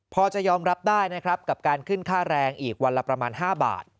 พอจะยอมรับได้นะครับกับการขึ้นค่าแรงอีกวันละประมาณ๕บาท